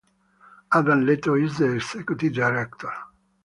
Adam Leto is the executive director.